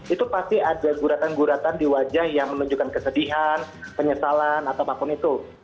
itu pasti ada guratan guratan di wajah yang menunjukkan kesedihan penyesalan atau apapun itu